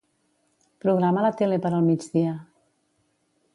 Programa la tele per al migdia.